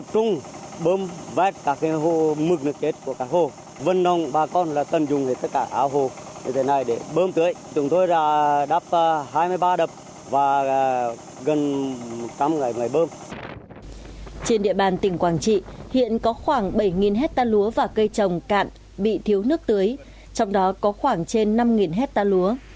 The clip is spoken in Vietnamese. trên địa bàn tỉnh quảng trị hiện có khoảng bảy hecta lúa và cây trồng cạn bị thiếu nước tưới trong đó có khoảng trên năm hecta lúa